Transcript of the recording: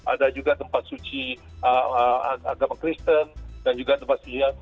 ada juga tempat suci agama kristen dan juga tempat sucia